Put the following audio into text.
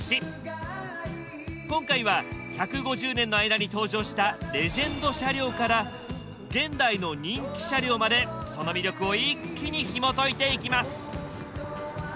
今回は１５０年の間に登場したレジェンド車両から現代の人気車両までその魅力を一気にひもといていきます。